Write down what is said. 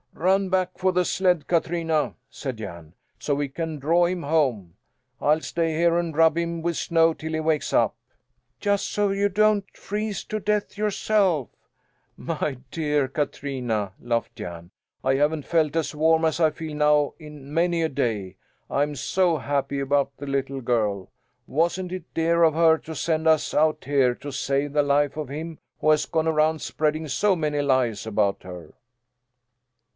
"Run back for the sled, Katrina," said Jan, "so we can draw him home. I'll stay here and rub him with snow till he wakes up." "Just so you don't freeze to death yourself!" "My dear Katrina," laughed Jan, "I haven't felt as warm as I feel now in many a day. I'm so happy about the little girl! Wasn't it dear of her to send us out here to save the life of him who has gone around spreading so many lies about her?"